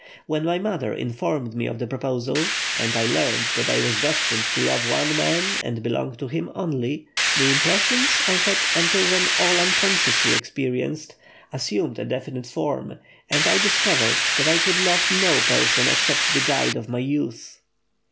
When my mother informed me of the proposal, and I learned that I was destined to love one man and belong to him only, the impressions I had until then all unconsciously experienced, assumed a definite form, and I discovered that I could love no person except the guide of my youth."